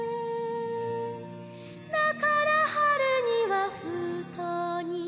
「だから春には封筒に」